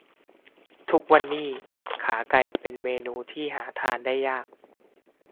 ทุกวันนี่ ขาไก่เป็นเมนูที่หาทานได้ยาก